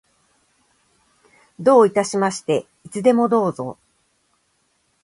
どういたしまして。いつでもどうぞ。